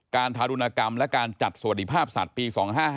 การธารุณกรรมและการจัดสวดิภาพศัตริย์ปี๒๕๕๗